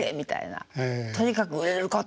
とにかく売れること！